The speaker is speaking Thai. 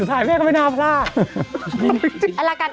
แน่นานรึไงไม่น่าพลาดแน่ทีสุดท้ายแน่ก็ไม่น่าพลาด